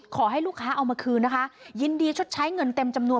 ขอให้ลูกค้าเอามาคืนนะคะยินดีชดใช้เงินเต็มจำนวน